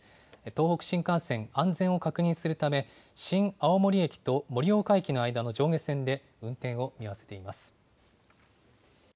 東北新幹線、安全を確認するため、新青森駅と盛岡駅の間の上下線で運転を見合わせています。